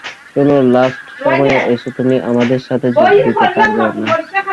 শুনো, লাস্ট সময়ে এসে তুমি আমাদের সাথে যোগ দিতে পারবে না।